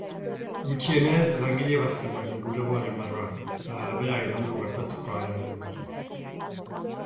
Gutxienez langile bat zegoen bulegoaren barruan, eta berak eman du gertatutakoaren berri.